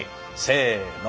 せの。